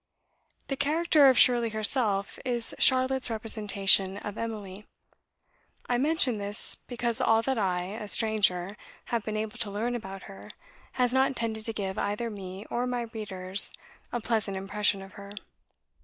The character of Shirley herself, is Charlotte's representation of Emily. I mention this, because all that I, a stranger, have been able to learn about her has not tended to give either me, or my readers, a pleasant impression of her.